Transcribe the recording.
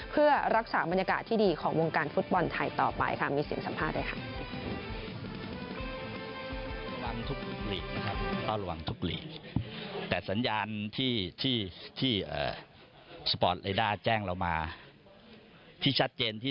เพื่อรักษาบรรยากาศที่ดีของวงการฟุตบอลไทยต่อไปค่ะมีเสียงสัมภาษณ์เลยค่ะ